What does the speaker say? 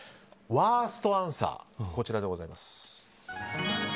ワーストアンサー、こちらです。